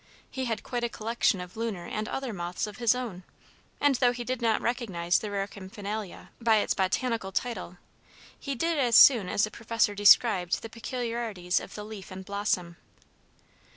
He had quite a collection of lunar and other moths of his own, and though he did not recognize the rare Campanila by its botanical title, he did as soon as the professor described the peculiarities of the leaf and blossom.